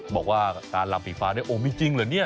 บอกว่าตานหลังปีฟ้าด้วยโอ้ไม่จริงเหรอเนี่ย